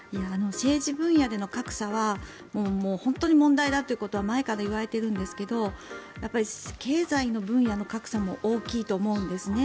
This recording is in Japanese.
政治分野での格差は本当に問題だということは前から言われているんですが経済の分野の格差も大きいと思うんですね。